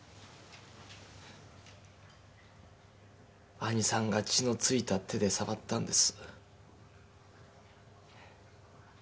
兄さんが血の付いた手で触ったんです。